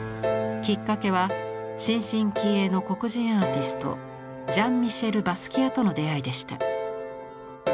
きっかけは新進気鋭の黒人アーティストジャン＝ミシェル・バスキアとの出会いでした。